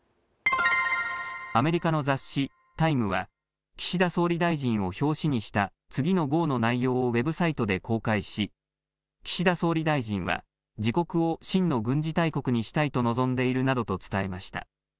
アメリカの雑誌タイムは岸田総理大臣を表紙にした次の号の内容をウェブサイトで公開し岸田総理大臣は自国を真の軍事大国にしたいと望んでいるなどと伝えました。